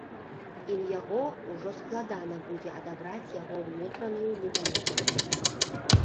І ў яго ўжо складана будзе адабраць яго ўнутраную незалежнасць.